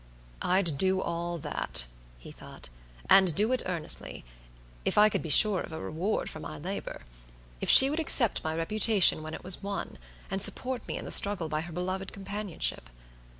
"I'd do all that," he thought, "and do it earnestly, if I could be sure of a reward for my labor. If she would accept my reputation when it was won, and support me in the struggle by her beloved companionship.